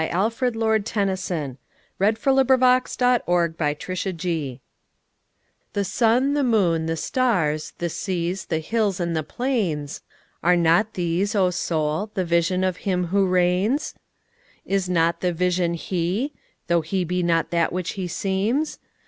Alfred, Lord Tennyson (1809–1892) 93. The Higher Pantheism THE SUN, the moon, the stars, the seas, the hills and the plains—Are not these, O Soul, the Vision of Him who reigns? Is not the Vision He? tho' He be not that which He seems?